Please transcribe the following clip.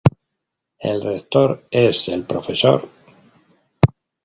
El rector es el Prof.